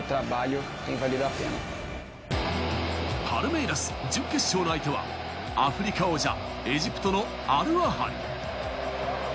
パルメイラス準決勝の相手はアフリカ王者、エジプトのアルアハリ。